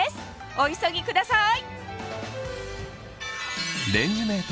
お急ぎください！